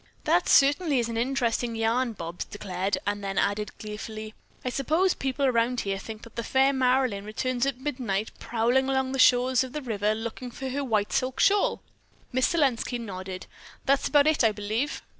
"That certainly is an interesting yarn," Bobs declared; then added gleefully, "I suppose the people around here think that the fair Marilyn returns at midnight, prowling along the shores of the river looking for her white silk shawl." Miss Selenski nodded. "That's about it, I believe."